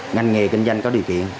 ngành nghề kinh doanh có điều kiện